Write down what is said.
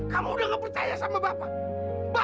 kamu udah gak percaya sama bapak